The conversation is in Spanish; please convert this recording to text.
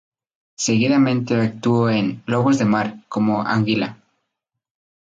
Seguidamente actuó en "Lobos de mar", como Anguila.